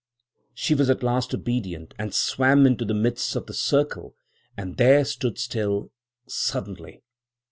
"She was at last obedient, and swam into the midst of the circle, and there stood still, suddenly.